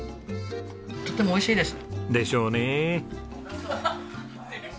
とても美味しいです。でしょうねえ。